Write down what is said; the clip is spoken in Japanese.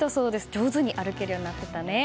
上手に歩けるようになってたね。